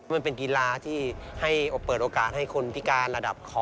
มันเป็นกีฬาที่ให้เปิดโอกาสให้คนพิการระดับขอ